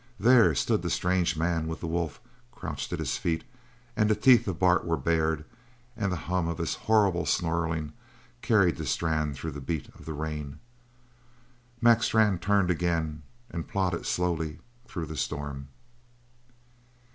There stood the strange man with the wolf crouched at his feet, and the teeth of Bart were bared, and the hum of his horrible snarling carried to Strann through the beat of the rain. Mac Strann turned again, and plodded slowly through the storm.